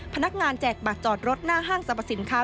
พนักงานแจกบากจอดรถหน้าห้างสรรพสินค้า